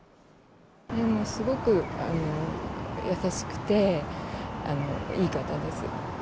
すごく優しくて、いい方です。